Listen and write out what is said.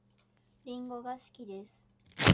りんごが好きです